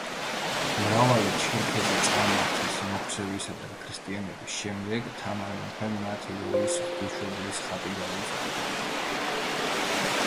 მრავალი ჩერქეზი წარმართის მოქცევისა და გაქრისტიანების შემდეგ თამარ მეფემ მათ ივერიის ღვთისმშობლის ხატი გაუგზავნა.